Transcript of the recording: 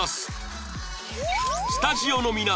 スタジオの皆さん